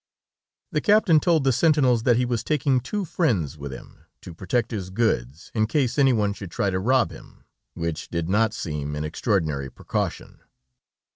The captain told the sentinels that he was taking two friends with him, to protect his goods, in case any one should try to rob him, which did not seem an extraordinary precaution.